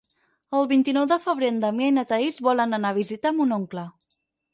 El vint-i-nou de febrer en Damià i na Thaís volen anar a visitar mon oncle.